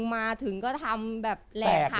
มันออกมาถึงก็ทำแบบแหลกคามือ